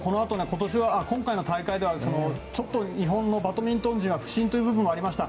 今回の大会ではちょっと日本のバドミントン陣は不振という部分もありました。